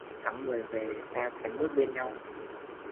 Tháng mười về ta sánh bước bên nhau